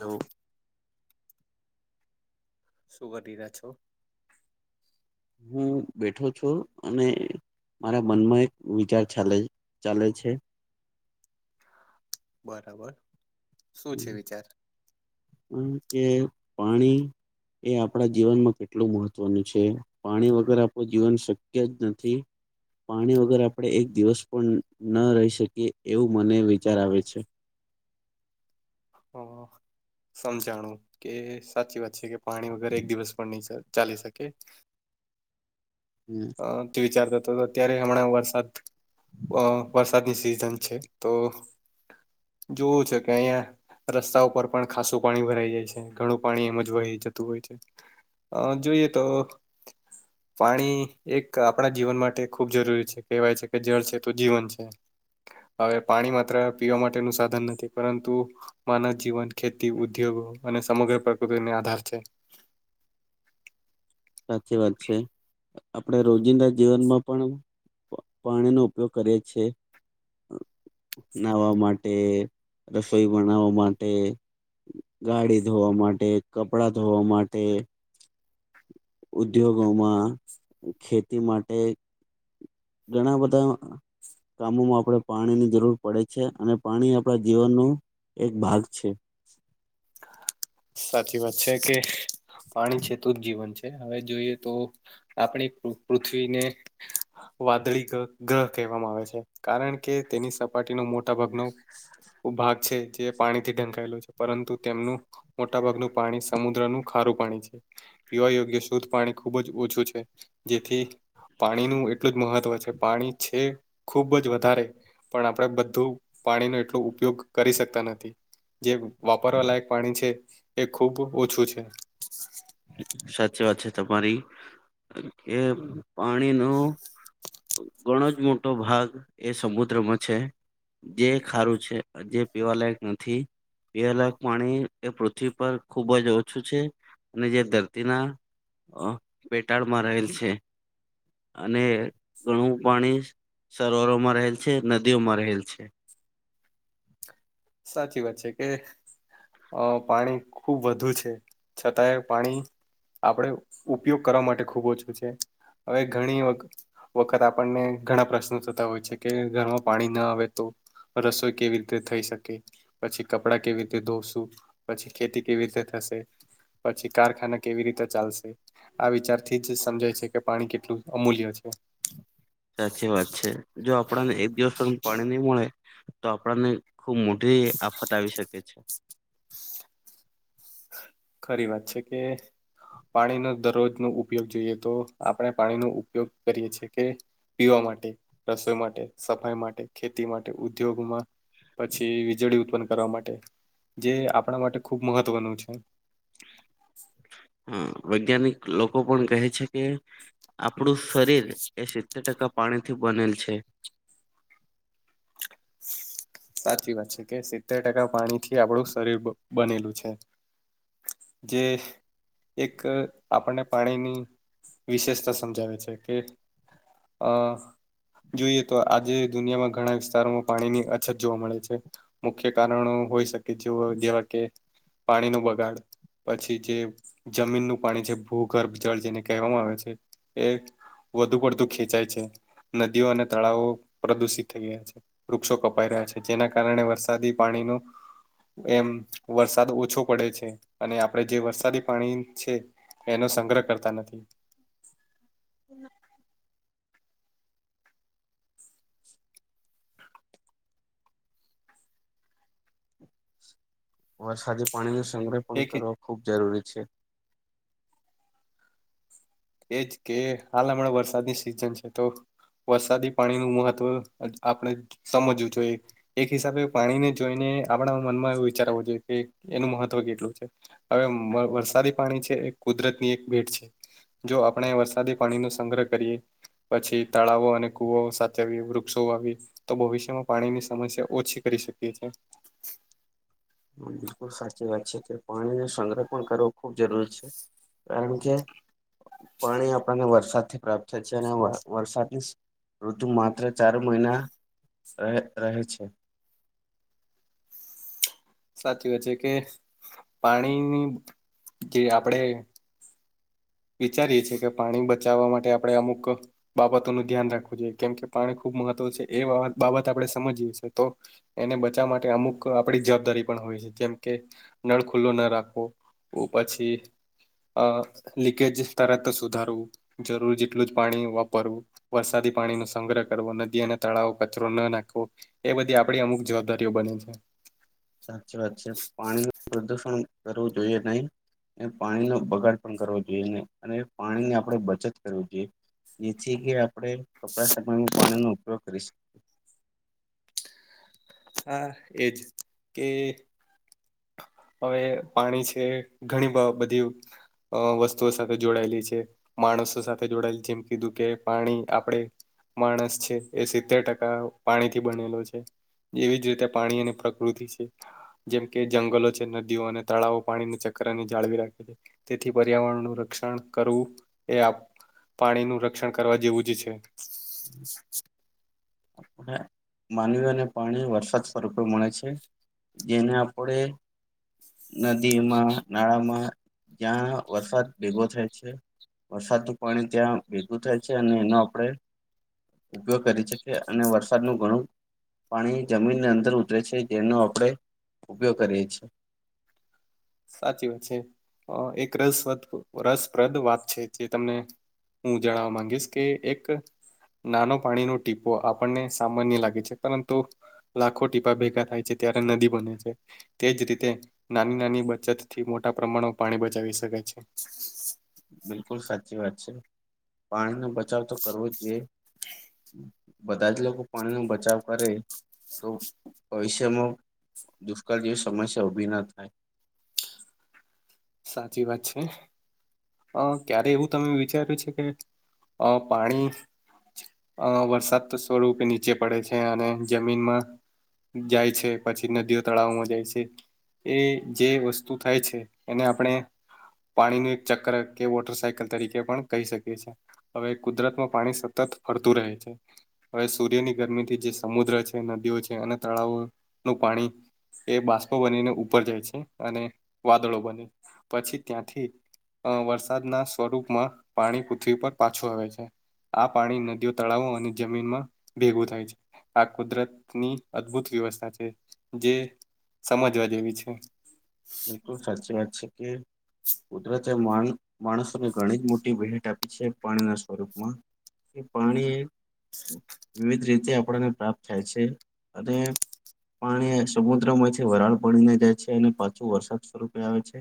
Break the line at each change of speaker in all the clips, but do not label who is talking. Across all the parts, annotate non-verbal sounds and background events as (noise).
તો
શું કરી રહ્યા છો
હું બેઠો છું અને મારા મનમાં એક વિચાર ચાલે ચાલે છે
બરાબર શું છે વિચાર
(unintelligible) કે પાણી એ આપણા જીવનમાં કેટલું મહત્વનું છે પાણી વગર આપણું જીવન શક્ય જ નથી પાણી વગર આપણે એક દિવસ પણ ન રહી શકીએ એવું મને વિચાર આવે છે
હા, હા. સમજાણું, કે સાચી વાત છે કે પાણી વગર એક દિવસ પણ નહીં સ ચાલી શકે.
હમ
અહ તે વિચારતા તો, તો ત્યારેય હમણાં વરસાદ અહ વરસાદની સિઝન છે. તો, જોવું છે કે અહિયાં રસ્તા ઉપર પણ ખાસું પાણી ભરાઈ જાય છે. ઘણું પાણી એમજ વહી જતું હોય છે. આમ જોઈએ તો પાણી એક આપણા જીવન માટે ખૂબ જરૂરી છે, કહેવાય છે કે જળ છે તો જીવન છે. હવે પાણી માત્ર પીવા માટેનું સાધન નથી, પરંતુ માનવ જીવન, ખેતી, ઉદ્યોગો અને સમગ્ર પ્રકૃતિને આધાર છે.
સાચી વાત છે. આપણે રોજિંદા જીવનમાં પણ પાણીનો ઉપયોગ કરે છે. નહાવા માટે, રસોઈ બનાવવા માટે ગાડી ધોવા માટે, કપડા ધોવા માટે ઉદ્યોગોમાં, ખેતી માટે ઘણા બધા કામોમાં આપણે પાણીની જરૂર પડે છે. અને પાણી આપણા જીવનનું એક ભાગ છે.
સાચી વાત છે, કે પાણી છે તો જ જીવન છે. હવે જોઈએ તો આપણી પૃ પૃથ્વીને વાદળી ઘ ઘ કહેવામાં આવે છે, કારણ કે તેની સપાટીનો મોટ ટા ભાગ નું ઉ ભાગ છે જે પાણીથી ઢંકાયેલો છે, પરંતુ તેમનું મોટા ભાગનું પાણી સમુદ્રનું ખારું પાણી છે. પીવા યોગ્ય શુદ્ધ પાણી ખુબ જ ઓછું છે. જેથી પાણીનું એટલું જ મહત્વ છે. પાણી છે ખુબ જ વધારે પણ આપણે બધું પાણીનો એટલો ઉપયોગ કરી શકતા નથી. જે વાપરવા લાયક પાણી છે, એ ખુબ ઓછું છે.
સાચી વાત છે તમારી, કે પાણી નો ઘણો જ મોટો ભાગ એ સમુદ્રમાં છે. જે ખારું છે, જે પીવાલાયક નથી. (unintelligible) પાણી એ પૃથ્વી પર ખુબ જ ઓછું છે. અને જે ધરતીના અહ પેટાળ માં રહેલ છે અને ઘણું પાણી સરોવરોમાં રહેલ છે, નદીઓમાં રહેલ છે.
સાચી વાત છે, કે અહ પાણી ખુબ વધુ છે, છતાંય પાણી આપણે ઉપયોગ કરવા માટે ખૂબ ઓછું છે. હવે ઘણી વખ ખત આપણને ઘણા પ્રશ્નો થતા હોય છે કે ઘરમાં પાણી ના આવે તો રસોઈ કેવી રીતે થઈ શકે? પછી કપડાં કેવી રીતે ધોશું, પછી ખેતી કેવી રીતે થશે પછી કારખાના કેવી રીતે ચાલશે આ વિચારથી જ સમજાય છે કે પાણી કેટલું અમૂલ્ય છે.
સાચી વાત છે. જો આપણાને એક દિવસ પાણી નહી મળે તો આપણાને ખુબ મોટી આફત આવી શકે છે.
ખરી વાત છે કે પાણીનો દરરોજ નો ઉપયોગ જોઈએ તો આપણે પાણીનો ઉપયોગ કરીએ છીએ કે પીવા માટે, રસોઈ માટે, સફાઈ માટે, ખેતી માટે, ઉદ્યોગમાં પછી વીજળી ઉત્પન્ન કરવા માટે જે આપણા માટે ખૂબ મહત્વનું છે. (inaudible)
હા. વૈજ્ઞાનિક લોકો પણ કહે છે કે આપણું શરીર એ સિત્તેર ટકા પાણી થી બનેલ છે.
સાચી વાત છે, કે સિત્તેર ટકા પાણી થી આપડું શરીર બનેલું છે. જે એક આપણને પાણીની વિશેષતા સમજાવે છે કે અ જોઈએ તો આજે દુનિયામાં ઘણા વિસ્તારોમાં પાણીની અ અછત જોવા મળે છે મુખ્ય કારણો હોઈ શકે જેવા કે પાણી નો બગાડ પછી જે જમીનનું પાણી છે ભૂગર્ભ જળ જેને કહેવામાં આવે છે એ વધુ પડતું ખેંચાય છે નદીઓ અને તળાવો પ્રદુષિત થઈ ગયા છે વૃક્ષો કપાઈ રહ્યા છે જેના કારણે વરસાદી પાણીનું એમ વરસાદ ઓછો પડે છે અને આપડે જે વરસાદી પાણી છે એનો સંગ્રહ કરતા નથી
હ સાથે પાણી નો સંગ્રહ પણ
એક
કરવા ખૂબ જરૂરી છે
એજ કે હાલ હમણાં વરસાદની સિઝન છે તો વરસાદી પાણી નું મહત્વ આપણે સમજવું જોઈએ એક હિસાબે પાણીને જોઈને આપણા મનમાં એ વિચારવો જોઈએ કે એનું મહત્વ કેટલું છે હવે વરસાદી પાણી છે એ કુદરત ની એક ભેટ છે જો આપણે વરસાદી પાણીનો સંગ્રહ કરીએ પછી તળાવો અને કુવો સાથે વૃક્ષો વાવીયે તો ભવિષ્યમાં પાણીની સમસ્યા ઓછી કરી શકીએ છીએ
હ બિલકુલ સાચી વાત છે કે પાણીને સંગ્રહ પણ કરવો ખુબ જરૂરી છે કારણ કે પાણી આપણને વરસાદથી પ્રાપ્ત થાય છે અને વરસાદની ઋતુ માત્ર ચાર મહિના ર રહે છે
સાચી વાત છે કે પાણીની જે આપણેે વિચારીએ છીએ કે પાણી બચાવવા માટે આપણે અમુક બાબતોનું ધ્યાન રાખવું જોઈએ કેમ કે પાણી ખૂબ મહત્વ છે એ બાબત આપણે સમજીએ છી તો એને બચાવવા માટે અમુક આપડી જવાબદારી પણ હોય છે જેમ કે નળ ખુલ્લો ના રાખવો. ઓ પછી અ લીકેજ તરત સુધારવું જરૂર જેટલું જ પાણી વાપરવું વરસાદી પાણી નો સંગ્રહ કરવો નદી અને તળાવો કચરો ન નાખવો એ બધી આપડી અમુક જવાબદારીઓ બને છે.
સાચી વાત છે પાણી નુ પ્રદુષણ કરવું જોઈએ નહી. એને પાણીનો બગાડ પણ કરવો જોઈએને અને પાણી ની આપણેે બચત કરવી જોઈએ. જેથી કે આપણે કપડા સમયમાં પાણીનો ઉપયોગ કરી શકીએ.
હા એજ કે હવે પાણી છે ઘણી બ બધી અ વસ્તુઓ સાથે જોડાયેલી છે. માણસો સાથે જોડાયેલ જેમ કીધું કે પાણી આપડણે માણસ છે એ સિત્તેર ટકા પાણીથી બનેલો છે. એવી જ રીતે પાણી અને પ્રકૃતિ છે જેમ કે જંગલો છે નદીઓ અને તળાવો પાણીને ચક્રની જાળવી રાખે છે. તેથી પર્યાવરણનું રક્ષણ કરવું એ આપ પાણીનું રક્ષણ કરવા જેવું જ છે.
ને માનવી અને પાણી વરસાદ સ્વરૂપે મળે છે. જેને આપડે નદીમાં નાળામાં જ્યાં વરસાદ ભેગો થાય છે. વરસાદનું પાણી ત્યાં ભેગું થાય છે અને એનો આપણે ઉપયોગ કરી શકીએ અને વરસાદ નું ઘણું પાણી જમીનની અંદર ઉતરે છે જેનો આપણેે ઉપયોગ કરીએ છીએ.
સાચી વાત છે એક રસપ્રદ રસપ્રદ વાત છે જે તમને હું જણાવવા માંગીશ કે એક નાનો પાણીનો ટીપો આપણને સામાન્ય લાગે છે, પરંતુ લાખો ટીપા ભેગા થાય છે, ત્યારે નદી બને છે તેજ રીતે નાની નાની બ ચત થી મોટા પ્રમાણમાં પાણી બચાવી શકાય છે.
બિલકુલ સાચી વાત છે, પાણી નો બચાવ તો કરવો જ જોઈએ. બધા જ લોકો પાણી નો બચાવ કરે તો ભવિષ્યમાં દુષ્કાળ જેવી સમસ્યા ઉભી ના થાય.
સાચી વાત છે. અ ક્યારે એવું તમે વિચાર્યું છે કે અ પાણી અ વરસાદ તો સ્વરૂપે નીચે પડે છે અને જમીનમાં જાય છે પછી નદીઓ તળાવમાં જાય છે એ જે વસ્તુ થાય છે. એને આપણે પાણી નુ એક ચક્ર કે વોટર સાયકલ તરીકે પણ કહી શકીએ છીએ. હવે કુદરતમાં પાણી સતત ફરતું રહે છે. હવે સૂર્યની ગરમી થી જે સમુદ્ર છે નદીઓ છે અને તળાવોનું પાણી એ બાષ્પો બનીને ઉપર જાય છે અને વાદળો બને પછી ત્યાંથી અ વરસાદના સ્વરૂપમાં પાણી પૃથ્વી પર પાછું આવે છે. આ પાણી નદીઓ તળાવો અને જમીનમાં ભેગું થાય છે. આ કુદરત ની અદભુત વ્યવસ્થા છે જે સમજવા જેવી છે.
બિલકુલ સાચી વાત છે કે કુદરતે મણ માણસોને ઘણી જ મોટી ભેટ આપી છે પાણીના સ્વરૂપમાં પાણી એ વિવિધ રીતે આપણને પ્રાપ્ત થાય છે અને પાણી સમુદ્ર માંથી વરાળ પડીને જાય છે અને પ છી એ વરસાદ સ્વરૂપે આવે છે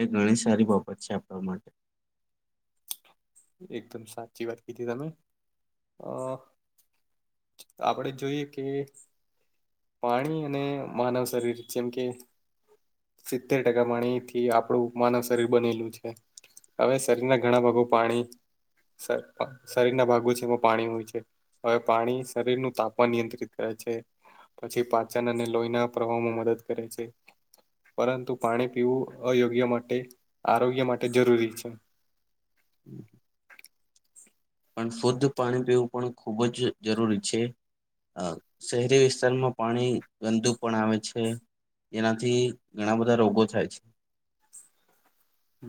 એ ઘણી સારી બાબત છે આપણા માટે
એકદમ સાચી વાત કીધી તમે અ આપણે જોઈએ કે પાણી અને માનવ શરીર જેમ કે સિત્તેર ટકા પાણીથી આપણું માનવ શરીર બનેલું છે. હવે શરીરના ઘણા ભાગો પાણી શ અ શરીર ના ભાગો છે એમાં પાણી હોય છે. હવે પાણી શરીર નું તાપમાન નિયંત્રિત કરે છે. પછી પાચન અને લોહીના પ્રવાહમાં મદદ કરે છે. પરંતુ પાણી પીવું અયોગ્ય માટે આરોગ્ય માટે જરૂરી છે.
(inaudible) પણ શુદ્ધ પાણી પીવું પણ ખુબ જ જરૂરી છે. અ શહેરી વિસ્તારમાં પાણી ગંદુ પણ આવે છે. એનાથી ઘણા બધા રોગો થાય છે.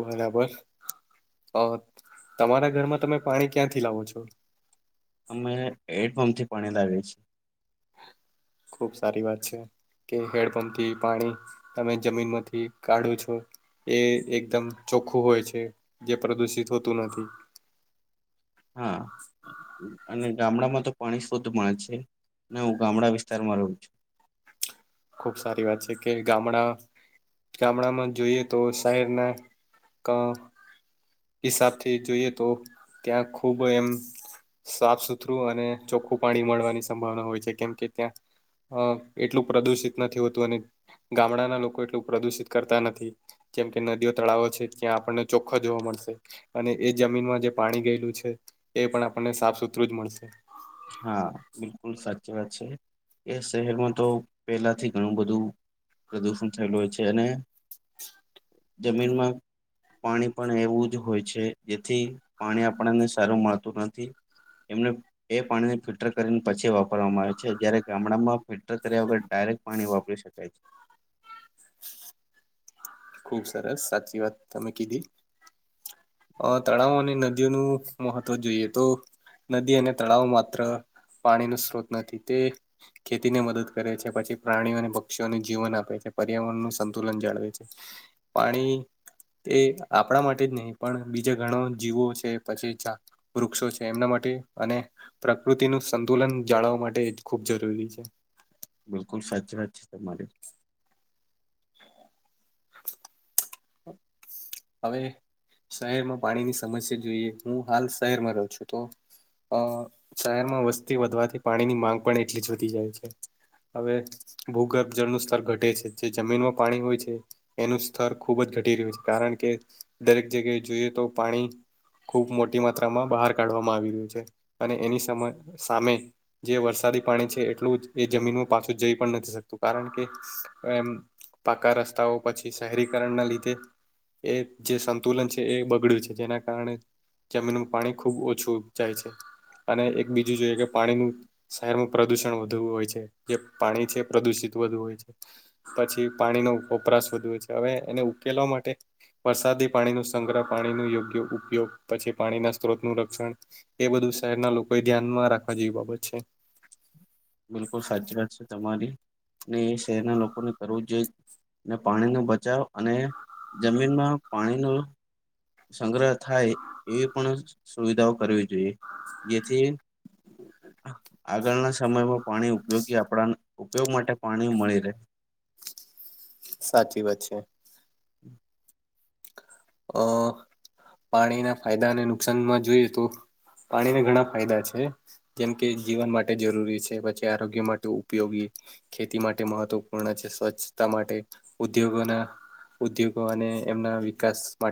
બરાબર અ તમારા ઘરમાં તમે પાણી ક્યાંથી લાવો છો?
અમે હેડપંપ થી પાણી લાવીએ છીએ.
ખુબ સારી વાત છે કે હેડપંપથી પાણી તમે જમીન માંથી કાઢો છો. એ એકદમ ચોખ્ખું હોય છે જે પ્રદુષિત હોતું નથી.
હા. અને ગામડામાં તો પાણી શુદ્ધ મળે છે, ને હું ગામડા વિસ્તારમાં રહું છું.
ખુબ સારી વાત છે કે ગામડા ગામડામાં જોઈએ તો શહેરના ક હિસાબથી જોઈએ તો ત્યાં ખૂબ એમ સાફ સુથરું અને ચોખ્ખું પાણી મળવાની સંભાવના હોય છે કેમ કે ત્યાં અ એટલું પ્રદુષિત નથી હોતું અને ગામડાના લોકો એટલું પ્રદુષિત કરતા નથી. જેમ કે નદીઓ તળાવો છે ત્યાં આપણને ચોખ્ખા જોવા મળશે. અને એ જમીનમાં જે પાણી ગયેલું છે એ પણ આપણને સાફ સુથરું જ મળશે.
હા બિલકુલ સાચી વાત છે. એ શહેરમાં તો પહેલાથી ઘણું બધું પ્રદૂષણ થયેલું હોય છે અને જમીનમાં પાણી પણ એવું જ હોય છે જેથી પાણી આપણને સારું મળતું નથી. એમને એ પાણીને ફિલ્ટર કરીને પછી વાપરવામાં આવે છે જયારે ગામડામાં ફિલ્ટર કર્યા વગર ડાયરેક્ટ પાણી વાપરી શકાય છે.
ખુબ સરસ સાચી વાત તમે કીધી. અ તળાવો અને નદીઓનું મહત્વ જોઈએ તો નદી અને તળાવ માત્ર પાણી નો સ્ત્રોત નથી તે ખેતીને મદદ કરે છે પછી પ્રાણીઓ અને પક્ષીઓને જીવન આપે છે પર્યાવરણ નું સંતુલન જાળવે છે. પાણી તે આપણા માટે જ નહી પણ બીજા ઘણો જીવો છે પછી વૃક્ષો છે એમના માટે અને પ્રકૃતિનું સંતુલન જાળવવા માટે જ ખૂબ જરૂરી છે.
બિલકુલ સાચી વાત છે તમારી.
હવે શહેરમાં પાણીની સમસ્યા જોઈએ હું હાલ શહેરમાં રહું છું તો અ શહેરમાં વસ્તી વધવાથી પાણી ની માંગ પણ એટલી જ વધી જાય છે. હવે ભૂગર્ભ જળનું સ્તર ઘટે છે જે જમીનમાં પાણી હોય છે. એનું સ્તર ખૂબ જ ઘટી રહ્યું છે કારણ કે દરેક જગ્યાએ જોઈએ તો પાણી ખૂબ મોટી માત્રામાં બહાર કાઢવામાં આવી રહ્યું છે અને એની સમ સામે જે વરસાદી પાણી છે એટલું એ જમીનમાં પાછું જઈ પણ નથી શકતું કારણ કે એમ પાકા રસ્તાઓ પછી શહેરીકરણના લીધે એ જે સંતુલન છે એ બગડ્યું છે જેના કારણે જમીનમાં પાણી ખુબ ઓછું જાય છે અને એક બીજું જોઈએ કે પાણીનું શહેરમાં પ્રદુષણ વધુ હોય છે જે પાણી છે પ્રદુષિત વધુ હોય છે. પછી પાણીનો વપરાશ વધે છે હવે એને ઉકેલવા માટે વરસાદી પાણી ન સંગ્રહ પાણી ન યોગ્ય ઉપયોગ પછી પાણીના સ્ત્રોતનું રક્ષણ એ બધું શહેરના લોકો એ ધ્યાનમાં રાખવા જેવી બાબત છે.
બિલકુલ સાચી વાત છે તમારી ને એ શહેરના લોકોને રોજજ ને પાણીનો બચાવ અને જમીનમાં પાણીનું સંગ્રહ થાય એવી પણ સુવિધાઓ કરવી જોઈએ જેથી આગળના સમયમાં પાણી ઉપયોગી આપણાને ઉપયોગ માટે પાણી મળી રહે.
સાચી વાત છે.
(inaudible)
અ પાણીના ફાયદાને નુકસાનમાં જોઈએ તો પાણીને ઘણા ફાયદા છે. જેમ કે જીવન માટે જરૂરી છે પછી આરોગ્ય માટે ઉપયોગી ખેતી માટે મહત્વપૂર્ણ છે સ્વચ્છતા માટે ઉદ્યોગોના ઉદ્યોગો અને એમના વિકાસ માટે